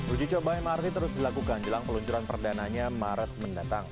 uji coba mrt terus dilakukan jelang peluncuran perdananya maret mendatang